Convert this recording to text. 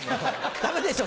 ダメでしょ